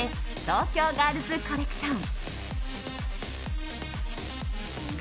東京ガールズコレクション。